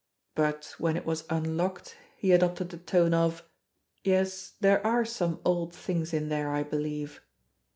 But when it was unlocked he adopted the tone of, "Yes, there are some old things in there, I believe.